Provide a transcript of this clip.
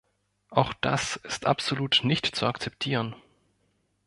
Auch das ist absolut nicht zu akzeptieren.